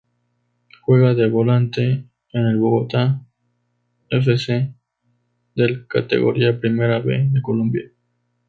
Juega de Volante en el Bogotá F. C. del Categoría Primera B de Colombia.